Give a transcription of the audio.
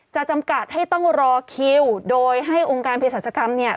จำกัดให้ต้องรอคิวโดยให้องค์การเพศรัชกรรมเนี่ย